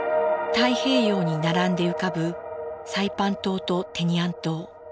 太平洋に並んで浮かぶサイパン島とテニアン島。